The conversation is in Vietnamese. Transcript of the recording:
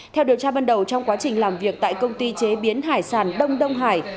theo điều tra ban đầu trong quá trình làm việc tại công ty chế biến hải sản đông đông hải